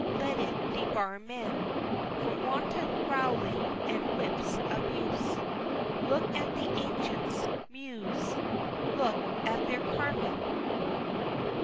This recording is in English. let it debar men From wanton rowelling and whip's abuse Look at the ancients' Muse! Look at their Carmen! V.